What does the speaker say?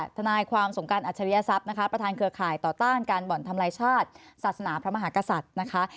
ทนายความสงการอัจฉริยศัพย์นะคะประธานเครือข่ายต่อต้านการบ่อนทำลายชาติศาสนาพระมหากษัตริย์นะคะ